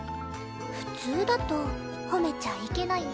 普通だと褒めちゃいけないんですか？